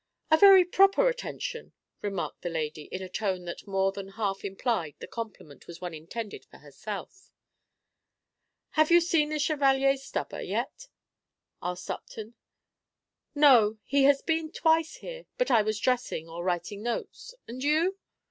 "A very proper attention!" remarked the lady, in a tone that more than half implied the compliment was one intended for herself. "Have you seen the Chevalier Stubber yet?" asked Upton. "No; he has been twice here, but I was dressing, or writing notes. And you?"